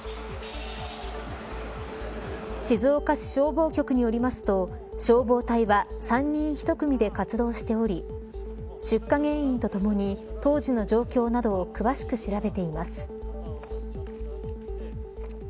静岡市消防局によりますと消防隊は３人１組で活動しており出火原因とともに当時の状況などを詳しく調べています。